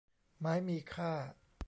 ไม้มีค่า